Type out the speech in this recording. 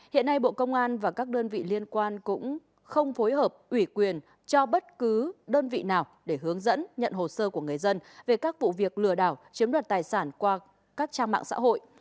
hiện nay bộ công an và các đơn vị liên quan cũng không phối hợp ủy quyền cho bất cứ đơn vị nào để hướng dẫn nhận hồ sơ của người dân về các vụ việc lừa đảo chiếm đoạt tài sản qua các trang mạng xã hội